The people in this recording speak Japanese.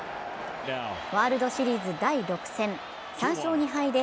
ワールドシリーズ第６戦、３勝１敗で。